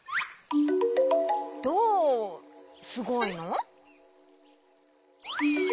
どうすごいの？